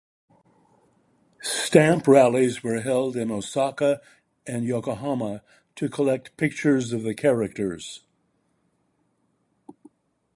Stamp rallies were held in Osaka and Yokohama to collect pictures of the characters.